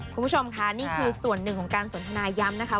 คุณผู้ชมค่ะนี่คือส่วนหนึ่งของการสนทนาย้ำนะคะ